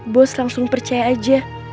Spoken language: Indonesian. bos langsung percaya aja